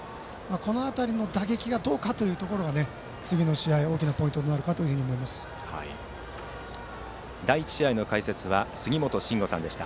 この辺りの打撃がどうかというところが次の試合、大きなポイントに第１試合の解説は杉本真吾さんでした。